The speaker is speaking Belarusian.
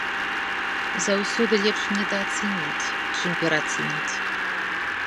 Заўсёды лепш недаацаніць, чым пераацаніць.